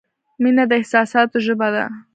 • مینه د احساساتو ژبه ده.